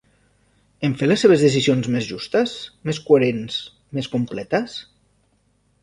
En fer les seves decisions més justes, més coherents, més completes?